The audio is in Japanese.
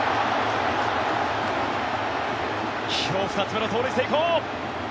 今日、２つ目の盗塁成功！